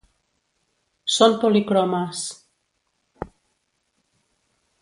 Són policromes.